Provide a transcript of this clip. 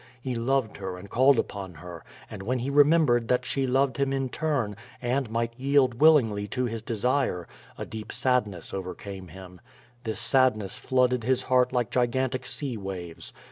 He loved her and called upon her, and when he remembered that she loved him in turn, and might yield willingly to his desire, a deep sadness over J36 Q^^ VADI8. came him. This sadness flooded his heart like gigantic sea waves.